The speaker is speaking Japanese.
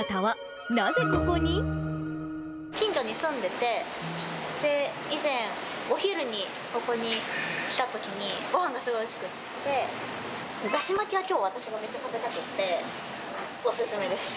近所に住んでて、以前、お昼にここに来たときにごはんがすごいおいしくて、だし巻きがきょう、私はめっちゃ食べたくって、お勧めです。